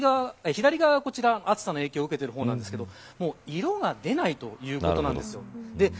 左側が暑さの影響を受けている方ですが色が出ないということです。